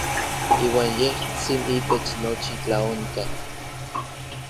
Iuan yejtsin itech nochi tlaonkaj.